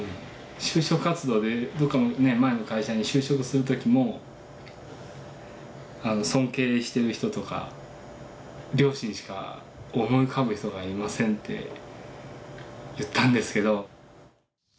就職活動でどっかの前の会社に就職する時も尊敬してる人とか両親しか思い浮かぶ人がいませんって言ったんですけど。